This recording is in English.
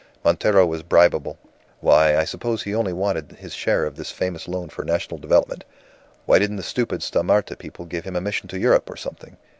Montero was bribeable. Why, I suppose he only wanted his share of this famous loan for national development. Why didn't the stupid Sta. Marta people give him a mission to Europe, or something?